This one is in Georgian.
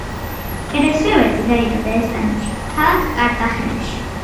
პერეს–რევერტე დაიბადა ესპანეთში, ქალაქ კარტახენაში.